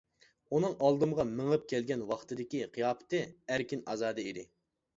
ئۇنىڭ ئالدىمغا مېڭىپ كەلگەن ۋاقتىدىكى قىياپىتى ئەركىن-ئازادە ئىدى.